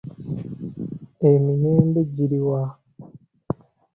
Emiyembe giri wa?